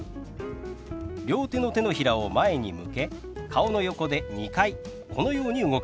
両手の手のひらを前に向け顔の横で２回このように動かします。